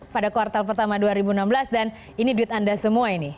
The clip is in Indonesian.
pada kuartal pertama dua ribu enam belas dan ini duit anda semua ini